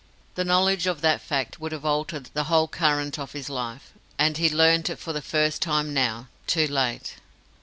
The knowledge of that fact would have altered the whole current of his life, and he learnt it for the first time now too late.